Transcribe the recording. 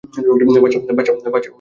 বাচ্চাও পয়দা করে ফেলেছে?